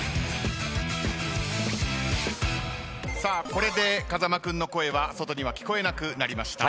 これで風間君の声は外には聞こえなくなりました。